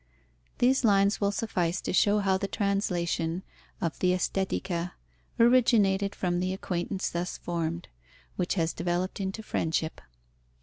These lines will suffice to show how the translation of the Estetica originated from the acquaintance thus formed, which has developed into friendship.